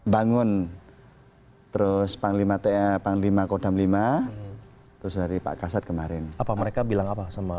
bangun terus panglima ta panglima kodam lima terus dari pak kasat kemarin apa mereka bilang apa sama